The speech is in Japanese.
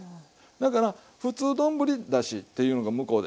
だからふつう丼だしっていうのが向こうで。